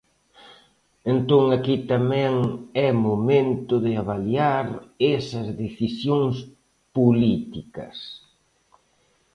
Entón aquí tamén é momento de avaliar esas decisións políticas.